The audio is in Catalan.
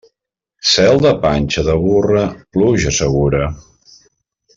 Cel de panxa de burra, pluja segura.